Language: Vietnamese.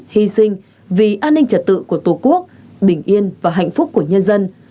hy sinh vì an ninh trật tự của tổ quốc bình yên và hạnh phúc của nhân dân